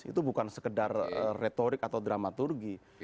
itu bukan sekedar retorik atau dramaturgi